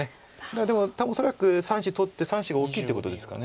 でも多分恐らく３子取って３子が大きいっていうことですか。